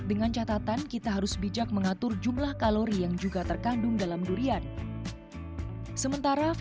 dengan catatan kita harus bijak mengatur jumlah kalori yang juga terkandung dalam durian sementara